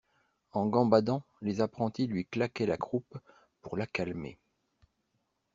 En gambadant, les apprentis lui claquaient la croupe pour la calmer.